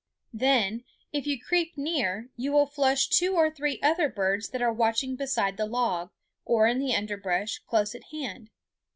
Then, if you creep near, you will flush two or three other birds that are watching beside the log, or in the underbrush close at hand.